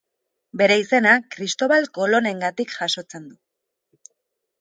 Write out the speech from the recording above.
Bere izena, Kristobal Kolonengatik jasotzen du.